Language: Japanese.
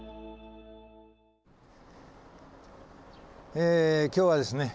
え今日はですね